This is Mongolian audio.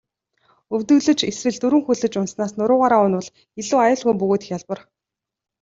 Өвдөглөж эсвэл дөрвөн хөллөж унаснаас нуруугаараа унавал илүү аюулгүй бөгөөд хялбар.